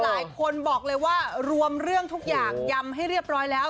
หลายคนบอกเลยว่ารวมเรื่องทุกอย่างยำให้เรียบร้อยแล้ว